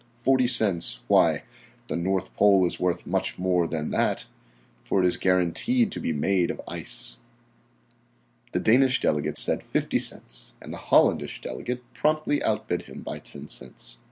Forty cents; why, the North Pole is worth much more than that, for it is guaranteed to be made of ice." The Danish delegate said 50 cents and the Hollandish delegate promptly outbid him by 10 cents.